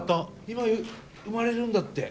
今産まれるんだって。